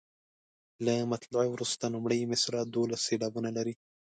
له مطلع وروسته لومړۍ مصرع دولس سېلابونه لري.